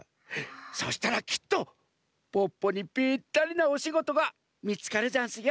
そしたらきっとポッポにピッタリなおしごとがみつかるざんすよ。